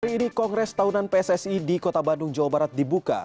hari ini kongres tahunan pssi di kota bandung jawa barat dibuka